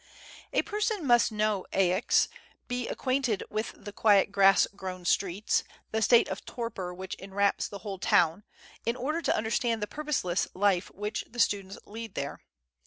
A person must know Aix, be acquainted with the FREDERIC. 115 quiet grass grown streets, the state of torpor which enwraps the whole town, in order to understand the pur poseless life which the students lead there.